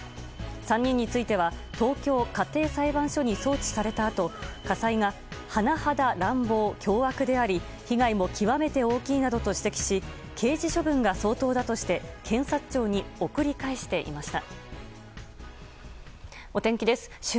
３人については東京家庭裁判所に送致されたあと家裁が甚だ乱暴・凶悪であり被害も極めて大きいなどと指摘し刑事処分が相当だとして検察庁に送り返していました。